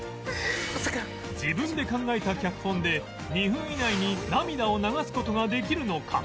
自分で考えた脚本で２分以内に涙を流す事ができるのか？